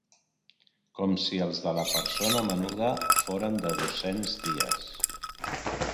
Com si els de la persona menuda foren de dos-cents dies.